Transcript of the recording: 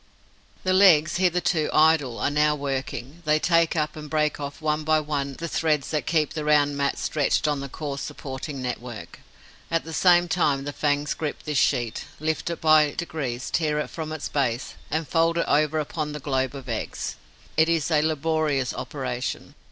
The legs, hitherto idle, are now working. They take up and break off one by one the threads that keep the round mat stretched on the coarse supporting network. At the same time, the fangs grip this sheet, lift it by degrees, tear it from its base and fold it over upon the globe of eggs. It is a laborious operation.